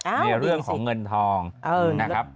ในเรื่องของเงินทองนะครับ